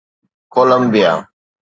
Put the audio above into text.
Colombia